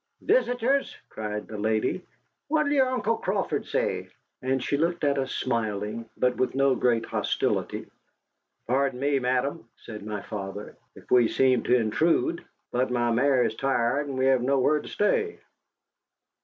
"Visitors!" cried the lady. "What 'll your Uncle Crawford say?" And she looked at us smiling, but with no great hostility. "Pardon me, Madam," said my father, "if we seem to intrude. But my mare is tired, and we have nowhere to stay."